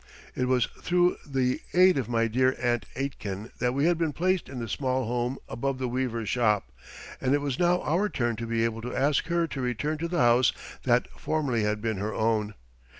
It was through the aid of my dear Aunt Aitken that we had been placed in the small house above the weaver's shop, and it was now our turn to be able to ask her to return to the house that formerly had been her own.